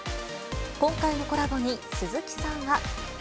今回のコラボに鈴木さんは。